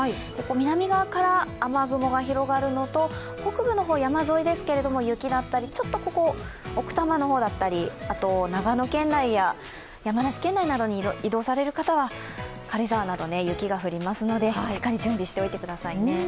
南側から雨雲が広がるのと北部の方、山沿いですけど雪だったりちょっと奥多摩の方だったり、あと長野県内や山梨県内に移動される方は軽井沢など雪が降りますのでしっかり準備しておいてくださいね。